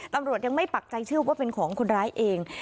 ตำรวจยังไม่ปักใจเชื่อว่าเป็นของคนร้ายเอง